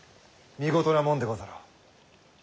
見事なもんでござろう。